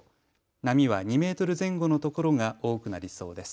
波は２メートル前後の所が多くなりそうです。